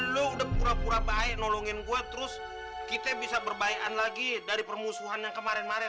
lo udah pura pura baik nolongin gue terus kita bisa berbaikan lagi dari permusuhan yang kemarin kemarin